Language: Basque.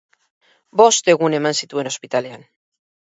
Bost egun eman zituen ospitalean.